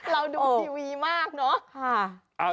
เราดูทีวีมากเนอะ